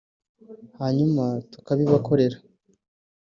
hanyuma tukabibakorera